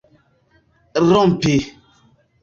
rompi